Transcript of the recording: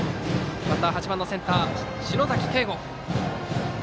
バッター８番センターの篠崎景琥。